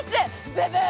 ブブー！